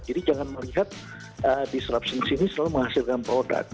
jadi jangan melihat disruption sini selalu menghasilkan produk